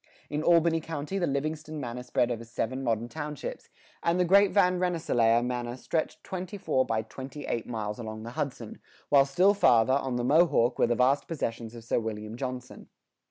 [81:1] In Albany County the Livingston manor spread over seven modern townships, and the great Van Rensselaer manor stretched twenty four by twenty eight miles along the Hudson; while still farther, on the Mohawk, were the vast possessions of Sir William Johnson.